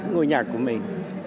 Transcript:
ngôi nhà của mình